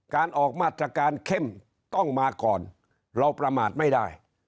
การออกมาตรการเข้มต้องมาก่อนเราประมาทไม่ได้